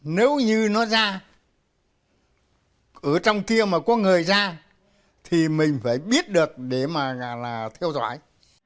nếu như nó ra ở trong kia mà có người ra thì mình phải biết được để mà theo dõi